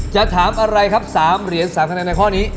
จะถามอะไรครับ๓เหรียญ๓คะแนนในข้อนี้